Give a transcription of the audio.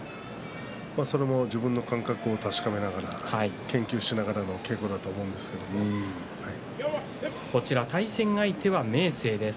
それも自分の感覚を確かめながら研究しながらの対戦相手は明生です。